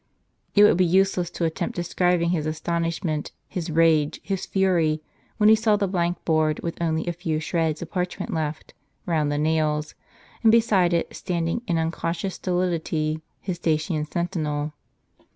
It would be useless to attempt describing his astonishment, his rage, his fury, when he saw the blank board, with only a fcAv shreds of parchment left, round the nails ; and beside it standing, in unconscious stolidity, his Dacian sen tinel.